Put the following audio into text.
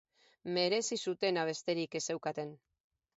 Merezi zutena besterik ez zeukaten.